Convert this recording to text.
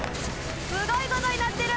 ・すごいことになってる。